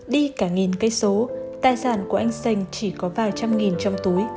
đi cả nghìn cây số tài sản của anh sành chỉ có vài trăm nghìn trong túi